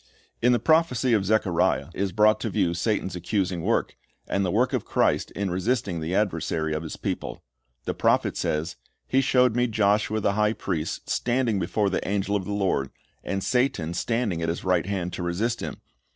In the prophecy of Zechariah is brought to view Satan's accusing work, and the work of Christ in resisting the adversary of His people. The prophet says, "He showed me Joshua the high priest standing before the angel of the Lord, and Satan standing at his right hand to resist him.